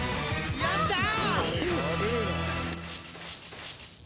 やったー！